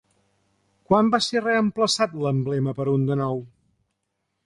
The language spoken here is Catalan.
Quan va ser reemplaçat l'emblema per un de nou?